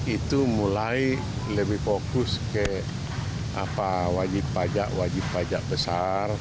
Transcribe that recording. itu mulai lebih fokus ke wajib pajak wajib pajak besar